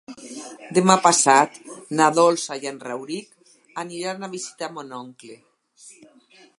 Demà passat na Dolça i en Rauric aniran a visitar mon oncle.